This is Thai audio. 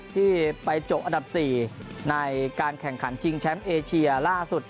ที่ไปจบอันดับ๔ในการแข่งขันชิงแชมป์เอเชียล่าสุด